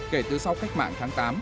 kể từ sau cách mạng tháng tám